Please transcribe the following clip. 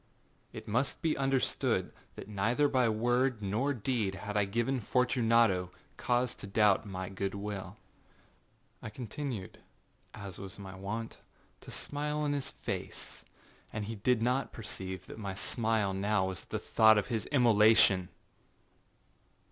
It must be understood, that neither by word nor deed had I given Fortunato cause to doubt my good will. I continued, as was my wont, to smile in his face, and he did not perceive that my smile now was at the thought of his immolation.